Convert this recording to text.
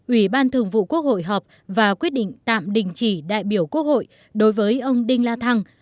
ủy ban thường vụ quốc hội họp và quyết định tạm đình chỉ đại biểu quốc hội đối với ông đinh la thăng